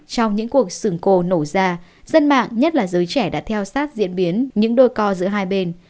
trong những cuộc sửng cổ nổ ra dân mạng nhất là giới trẻ đã theo sát diễn biến những đôi co giữa hai bên